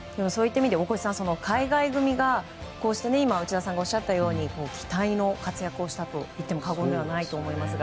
大越さん海外組が今、内田さんがおっしゃったように期待の活躍をしたといっても過言ではないと思います。